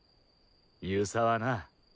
遊佐はな